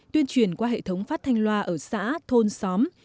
tuyên truyền qua hệ thống phát thanh loa ở xã thôn xóm